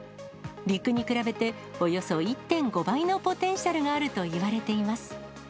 陸に比べて、およそ１．５倍のポテンシャルがあるといわれています。